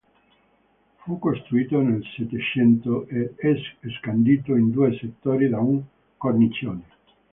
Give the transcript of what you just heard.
Fu costruito nel Settecento ed è scandito in due settori da un cornicione.